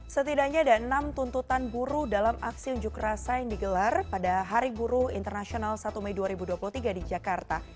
setidaknya ada enam tuntutan buruh dalam aksi unjuk rasa yang digelar pada hari buruh internasional satu mei dua ribu dua puluh tiga di jakarta